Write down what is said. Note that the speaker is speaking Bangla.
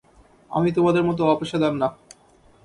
আমি তোমাদের মতো অপেশাদার না।